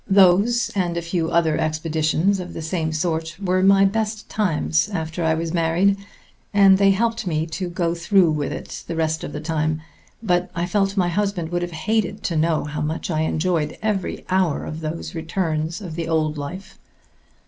Those and a few other expeditions of the same sort were my best times after I was married, and they helped me to go through with it the rest of the time. But I felt my husband would have hated to know how much I enjoyed every hour of those returns to the old life.